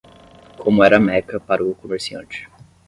como era Meca para o comerciante.